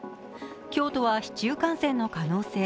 京都は市中感染の可能性。